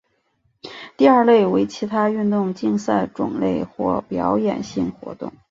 第二类为其他运动竞赛种类或表演性活动。